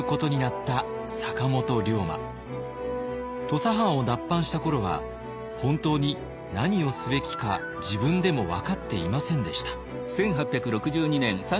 土佐藩を脱藩した頃は本当に何をすべきか自分でも分かっていませんでした。